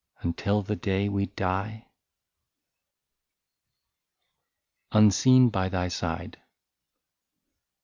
Until the day we die ?" 31 UNSEEN BY THY SIDE.